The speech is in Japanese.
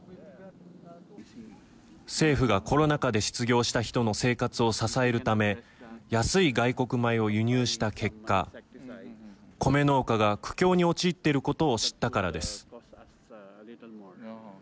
政府が、コロナ禍で失業した人の生活を支えるため安い外国米を輸入した結果コメ農家が苦境に陥っていることを知ったからです。